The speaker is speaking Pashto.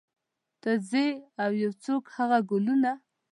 ته ځې او یو څوک هغه ګلونه